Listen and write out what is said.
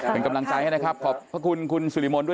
เป็นกำลังใจให้นะครับขอบคุณคุณสุฬิมนตร์